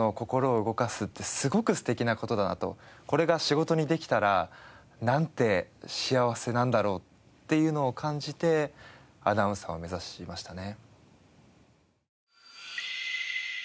これが仕事にできたらなんて幸せなんだろうっていうのを感じてアナウンサーを目指しましたね。